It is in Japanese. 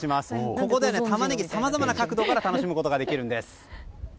ここではタマネギさまざまな角度から楽しむことができるんです。